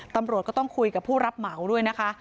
ตำรวจก็ต้องคุยกับผู้รับเหมาด้วยนะคะ